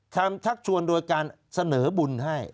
ชักชวนโดยการเสนอบุญให้